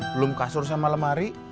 belum kasur sama lemari